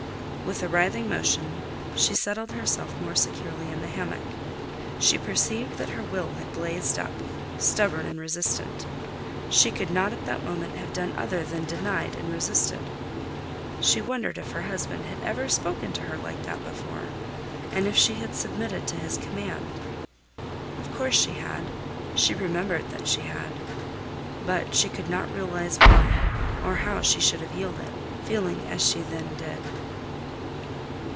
With a writhing motion she settled herself more securely in the hammock. She perceived that her will had blazed up, stubborn and resistant. She could not at that moment have done other than denied and resisted. She wondered if her husband had ever spoken to her like that before, and if she had submitted to his command. Of course she had; she remembered that she had. But she could not realize why or how she should have yielded, feeling as she then did.